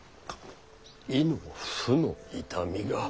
胃の腑の痛みが。